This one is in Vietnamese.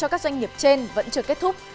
các doanh nghiệp trên vẫn chưa kết thúc